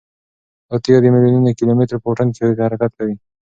دا تیږه د میلیونونو کیلومترو په واټن کې حرکت کوي.